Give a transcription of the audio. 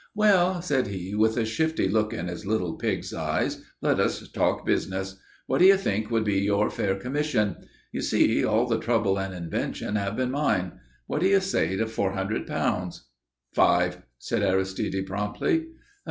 "Well," said he, with a shifty look in his little pig's eyes, "let us talk business. What do you think would be your fair commission? You see, all the trouble and invention have been mine. What do you say to four hundred pounds?" "Five," said Aristide, promptly.